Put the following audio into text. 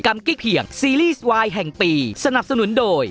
กี้เพียงซีรีส์วายแห่งปีสนับสนุนโดย